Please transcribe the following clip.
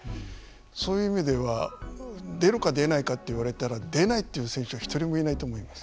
そういう意味では出るか出ないかって言われたら出ないと言う選手は一人もいないと思います。